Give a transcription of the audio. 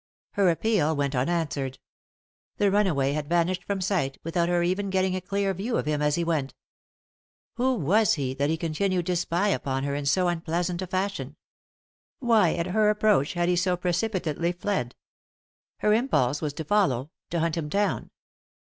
Her appeal went unanswered. The runaway had vanished from sight, without her even getting a clear view of him as he went. Who was he that he had continued to spy upon her in so un pleasant a fashion ? Why, at her approach, had he so precipitately fled ? Her impulse was to follow — to hunt him down.